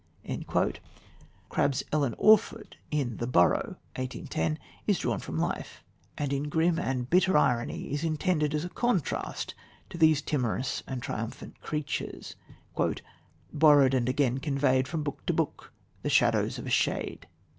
" Crabbe's Ellen Orford in The Borough (1810) is drawn from life, and in grim and bitter irony is intended as a contrast to these timorous and triumphant creatures "borrowed and again conveyed, From book to book, the shadows of a shade."